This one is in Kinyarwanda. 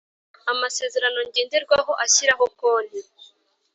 Amasezerano ngenderwaho ashyiraho konti